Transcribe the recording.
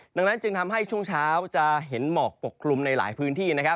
ดังนั้นจึงทำให้ช่วงเช้าจะเห็นหมอกปกคลุมในหลายพื้นที่นะครับ